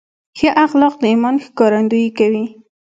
ښه اخلاق د ایمان ښکارندویي کوي.